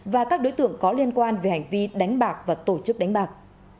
và các đối tượng có liên quan về hành vi đánh bạc và tổ chức đánh bạc